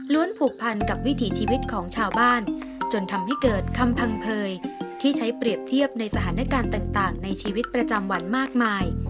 ผูกพันกับวิถีชีวิตของชาวบ้านจนทำให้เกิดคำพังเผยที่ใช้เปรียบเทียบในสถานการณ์ต่างในชีวิตประจำวันมากมาย